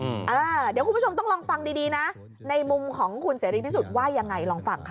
เดี๋ยวคุณผู้ชมต้องลองฟังดีดีนะในมุมของคุณเสรีพิสุทธิ์ว่ายังไงลองฟังค่ะ